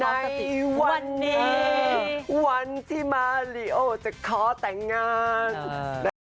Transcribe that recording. ในวันนี้วันที่มาริโอจะขอแต่งงาน